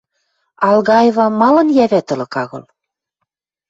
— Алгаева малын йӓ вӓтӹлык агыл?